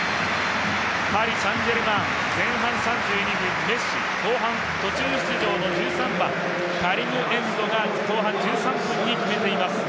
パリ・サン＝ジェルマン、前半３２分にメッシ、後半途中出場の１３番、カリムエンドが後半１３分に決めています。